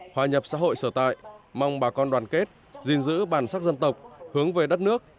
hòa nhập xã hội sở tại mong bà con đoàn kết gìn giữ bản sắc dân tộc hướng về đất nước